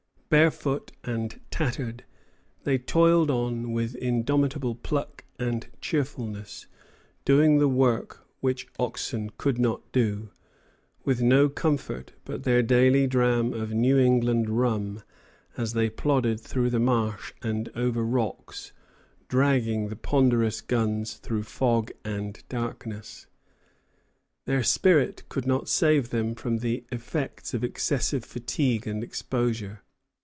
Barefoot and tattered, they toiled on with indomitable pluck and cheerfulness, doing the work which oxen could not do, with no comfort but their daily dram of New England rum, as they plodded through the marsh and over rocks, dragging the ponderous guns through fog and darkness. Their spirit could not save them from the effects of excessive fatigue and exposure.